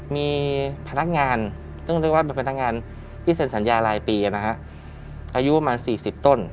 มีพนักงานต้องเรียกว่ามันเป็นพนักงานที่เซ็นสัญญารายปีอ่ะนะคะอายุประมาณสี่สิบต้น